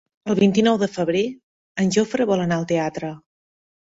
El vint-i-nou de febrer en Jofre vol anar al teatre.